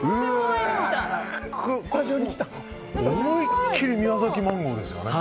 思い切り宮崎マンゴーですよね。